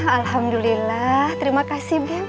alhamdulillah terima kasih bu